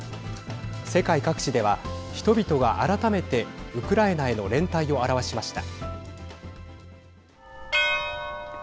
世界各地では人々が改めてウクライナへの連帯を表しました。